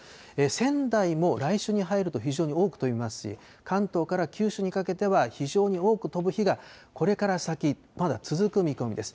仙台も来週に入ると非常に多く飛びますし、関東から九州にかけては非常に多く飛ぶ日がこれから先、まだ続く見込みです。